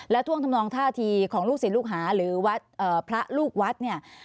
และท่วงทำนองท่าทีของลูกศิลป์ลูกหาหรือพระลูกวัด